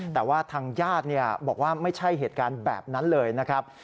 แต่ว่าทางญาติบอกว่าไม่ใช่เหตุการณ์แบบนั้นเลยนะครับ